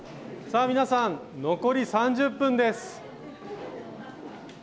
さあ皆さん残り３０分です。